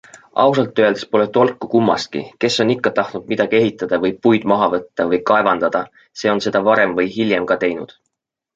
Ausalt öeldes pole tolku kummastki - kes on ikka tahtnud midagi ehitada või puid maha võtta või kaevandada, see on seda varem või hiljem ka teinud.